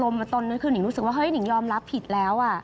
ลงมาตรงนี้คือนิ่งรู้สึกว่านิ่งยอมรับผิดแล้ว